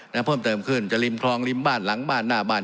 เพิ่มเติมขึ้นจะริมคลองริมบ้านหลังบ้านหน้าบ้าน